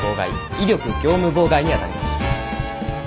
威力業務妨害にあたります。